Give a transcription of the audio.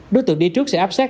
đối tượng đi trước sẽ áp sát